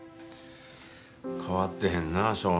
変わってへんな正野。